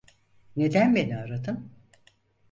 Neden beni aradın?